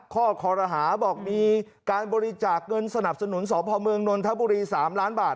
ข้อคอรหาบอกมีการบริจาคเงินสนับสนุนสพเมืองนนทบุรี๓ล้านบาท